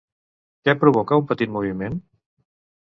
Què provoca un petit moviment?